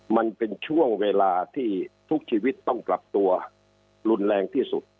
มันเป็นช่วงเวลาที่ทุกชีวิตต้องปรับตัวรุนแรงที่สุด